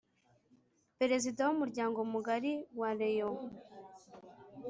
Perezida w’ Umuryango mugari wa Rayon